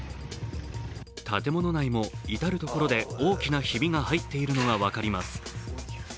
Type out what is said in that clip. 建物内も至るところで大きなひびが入っているのが分かります。